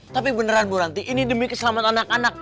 tapi beneran bu ranti ini demi keselamatan anak anak